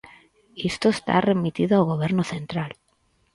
Isto está remitido ao Goberno central.